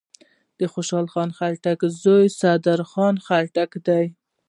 دخوشحال خان خټک زوی صدرخان خټک دﺉ.